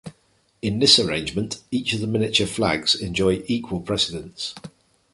In this arrangement, each of the miniature flags enjoy equal precedence.